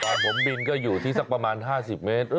ก่อนผมบินก็อยู่ที่สักประมาณ๕๐เมตร